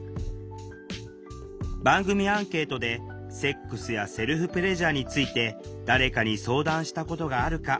番組アンケートで「セックスやセルフプレジャーについて誰かに相談したことがあるか」